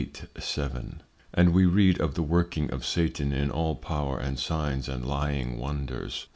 _ And we read of the working of Satan in all Power and Signs, and lying Wonders.